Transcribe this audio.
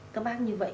các bác như vậy